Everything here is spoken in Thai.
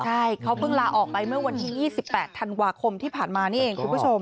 ใช่เขาเพิ่งลาออกไปเมื่อวันที่๒๘ธันวาคมที่ผ่านมานี่เองคุณผู้ชม